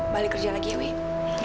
balik kerja lagi ya wih